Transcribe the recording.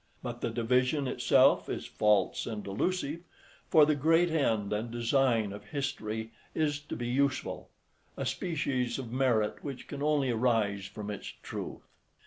But the division itself is false and delusive; for the great end and design of history is to be useful: a species of merit which can only arise from its truth.